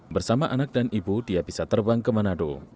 bersama anak dan ibu dia bisa terbang ke manado